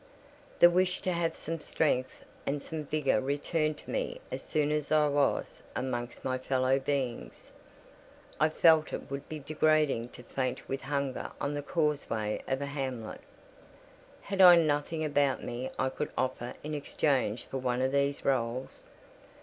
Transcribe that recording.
The wish to have some strength and some vigour returned to me as soon as I was amongst my fellow beings. I felt it would be degrading to faint with hunger on the causeway of a hamlet. Had I nothing about me I could offer in exchange for one of these rolls?